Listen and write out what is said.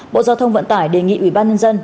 bộ giao thông vận tải đề nghị ủy ban nhân dân